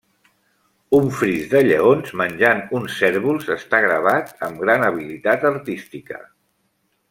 Un fris de lleons menjant uns cérvols està gravat amb gran habilitat artística.